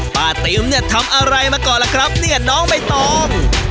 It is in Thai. ติมเนี่ยทำอะไรมาก่อนล่ะครับเนี่ยน้องใบตอง